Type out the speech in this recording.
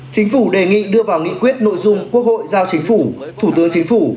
chính phủ đề nghị đưa vào nghị quyết nội dung quốc hội giao chính phủ thủ tướng chính phủ